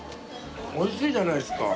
おいしいじゃないですか。